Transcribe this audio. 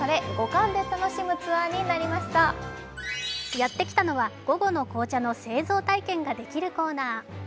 やってきたのは午後の紅茶の製造体験ができるコーナー。